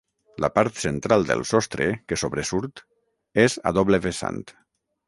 La part central del sostre, que sobresurt, és a doble vessant.